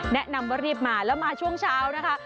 แนะนำว่ารีบมาแล้วมาช่วงเช้านะคะ